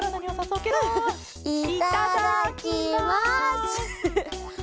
いただきます。